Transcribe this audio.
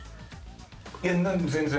いや全然。